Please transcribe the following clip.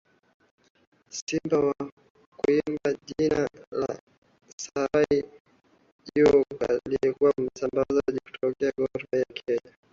wa Simba kuimba jina la straika huyo aliyetua Msimbazi akitokea Gor Mahia ya Kenya